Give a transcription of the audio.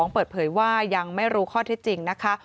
เปิดเผยว่ายังไม่รู้ข้อที่จริงนะคะ